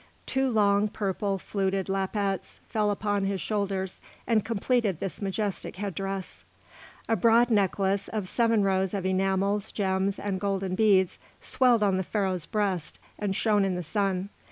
Two long, purple, fluted lappets fell upon his shoulders and completed this majestic head dress. A broad necklace, of seven rows of enamels, gems, and golden beads, swelled on the Pharaoh's breast and shone in the sun.